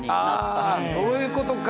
あそういうことか。